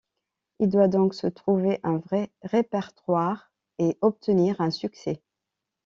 Il doit donc se trouver un vrai répertoire et obtenir un succès.